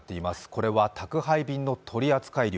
これは宅配便の取扱量。